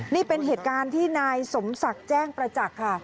นี่เป็นเหตุการณ์ที่นายสมศักดิ์แจ้งประจักษ์ค่ะ